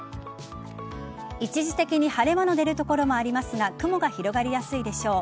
一時的に晴れ間の出る所もありますが雲が広がりやすいでしょう。